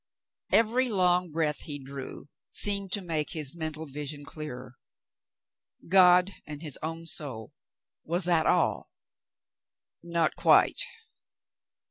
Every long breath he drew seemed to make his mental vision clearer. God and his own soul — was that all ? Not quite.